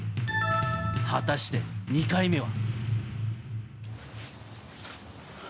果たして、２回目は？